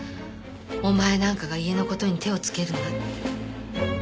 お前なんかが家の事に手をつけるなって。